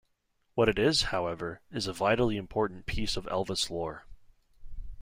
What it is, however, is a vitally important piece of Elvis lore.